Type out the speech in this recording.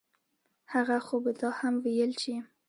هغه خو به دا هم وييل چې